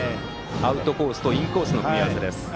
アウトコースとインコースの組み合わせです。